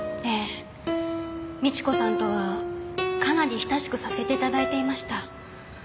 美知子さんとはかなり親しくさせていただいていました。